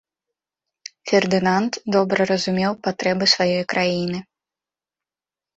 Фердынанд добра разумеў патрэбы сваёй краіны.